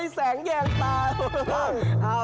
แสงแยงตา